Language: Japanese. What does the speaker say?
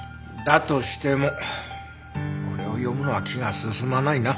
だとしてもこれを読むのは気が進まないな。